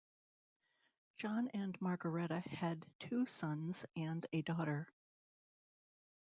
John and Margaretta had two sons and a daughter.